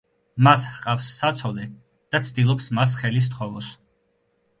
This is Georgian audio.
მას ჰყავს საცოლე და ცდილობს მას ხელი სთხოვოს.